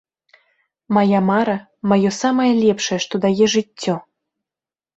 Мая мара, маё самае лепшае, што дае жыццё.